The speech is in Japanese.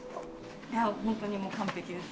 いや本当にもう完璧です。